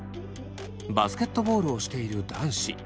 バスケットボールをしている男子。